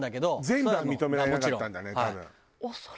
全部は認められなかったんだね多分。